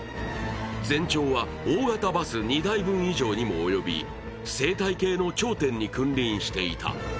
全長は大型バス２台分以上にも及び、生態系の頂点に君臨していた。